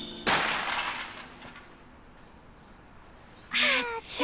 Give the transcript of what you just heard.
あっちゃ。